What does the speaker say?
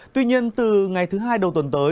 tuy nhiên từ ngày thứ hai đầu tuần tới